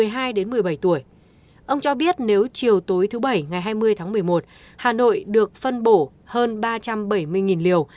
ông cho biết nếu chiều tối thứ bảy ngày hai mươi tháng một mươi một hà nội được phân bổ hơn ba trăm bảy mươi liều